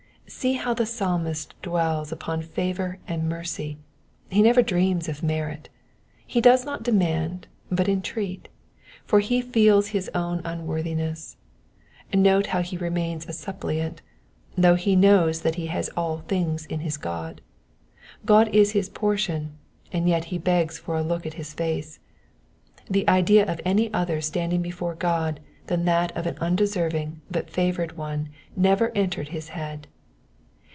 See how the Psalmist dwells (Upon favour and mercy, he never dreams of merit He does not demand, but entreat ; for he feels his own imworthiness. Note how he remains a auppliant, though he knows that he has all things in his God. God is his portion, and yet he begs for a look at his face. The idea of any other standing before God than that of an undeserving but favoured one never entered his head.